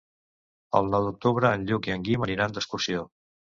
El nou d'octubre en Lluc i en Guim aniran d'excursió.